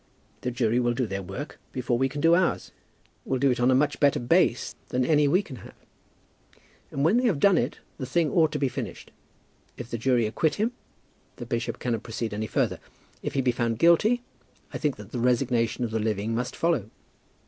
The jury will do their work before we can do ours, will do it on a much better base than any we can have; and, when they have done it, the thing ought to be finished. If the jury acquit him, the bishop cannot proceed any further. If he be found guilty I think that the resignation of the living must follow."